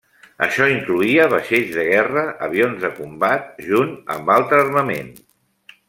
Això incloïa vaixells de guerra, avions de combat, junt amb altre armament.